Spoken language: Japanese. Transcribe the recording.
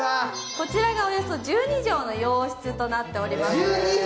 こちらがおよそ１２畳の洋室となっております。